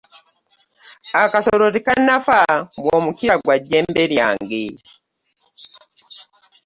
Akasolo tekannafa mbu omukira gwa jjembe lyange!